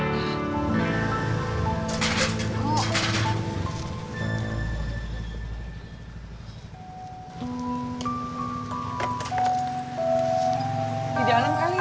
di dalam kali